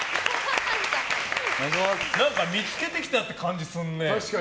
何か見つけてきたって感じするね。